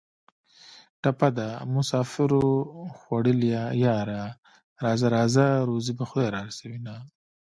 ټپه ده: مسافرو خوړلیه یاره راځه راځه روزي به خدای را رسوینه